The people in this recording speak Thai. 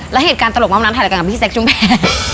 แล้วเหตุการณ์ตลกมอบน้ำถ่ายรายการกับพี่แซคชุมแพร